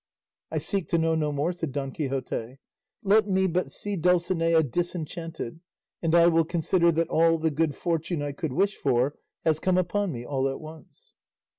"I seek to know no more," said Don Quixote; "let me but see Dulcinea disenchanted, and I will consider that all the good fortune I could wish for has come upon me all at once."